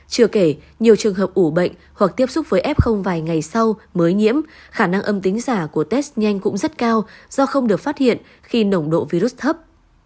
chưa kể nhiều trường hợp ủ bệnh hoặc tiếp xúc với f vài ngày sau mới nhiễm khả năng âm tính giả của test nhanh cũng rất cao do không được phát hiện khi nồng độ virus thấp